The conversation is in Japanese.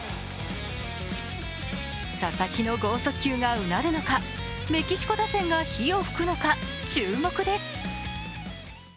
佐々木の剛速球がうなるのか、メキシコ打線が火を噴くのか注目です。